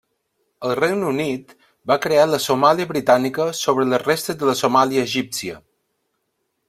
El Regne Unit va crear la Somàlia Britànica sobre les restes de la Somàlia Egípcia.